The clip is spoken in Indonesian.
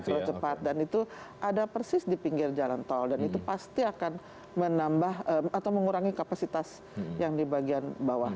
terlalu cepat dan itu ada persis di pinggir jalan tol dan itu pasti akan menambah atau mengurangi kapasitas yang di bagian bawah